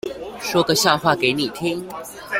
說個笑話給你聽